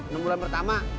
nung bulan pertama